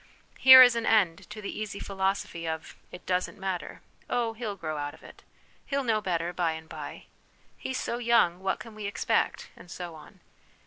Here is an end to the easy philosophy of, 'It doesn't matter,' ' Oh, he'll grow out of it,' * He'll know better by and by,' ' He's so young, what can we expect ?' and so on.